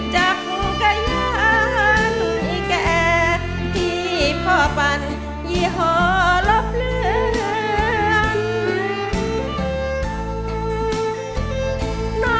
จักรยานไอ้แก่ที่พ่อปัญญีหอลบเลือน